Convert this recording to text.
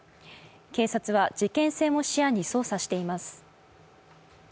警察は事件性も視野に捜査しています。